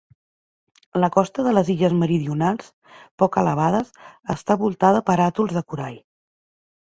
La costa de les illes meridionals, poc elevades, està voltada per atols de corall.